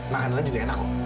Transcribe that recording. makanan juga enak kok